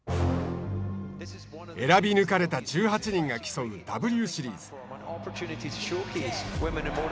選びぬかれた１８人が競うＷシリーズ。